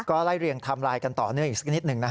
ก็ไล่เรียงไทม์ไลน์กันต่อเนื่องอีกสักนิดหนึ่ง